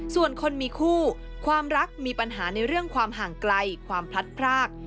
ส่วนคนมีคู่ความรักมีปัญหาในเรื่องความห่างไกลความพลัดพราก